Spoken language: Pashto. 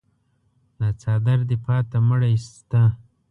دا څادر دې پاته مړی شته.